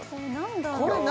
これ何？